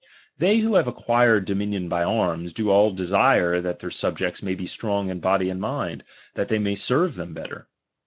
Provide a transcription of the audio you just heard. They who have acquired dominion by arms, do all desire that their subjects may be strong in body and mind, that they may serve them the better.